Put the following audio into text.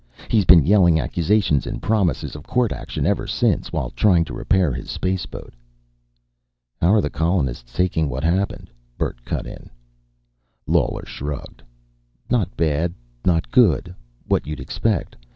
He's been yelling accusations and promises of court action ever since while trying to repair his spaceboat." "How are the colonists taking what happened?" Bert cut in. Lawler shrugged. "Not bad. Not good. What you'd expect.